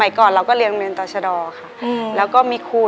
ในแคมเปญพิเศษเกมต่อชีวิตโรงเรียนของหนู